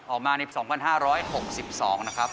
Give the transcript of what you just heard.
ออกมาใน๒๕๖๒นะครับ